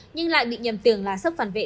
nhưng lại bị nhầm tưởng là sức phản vệ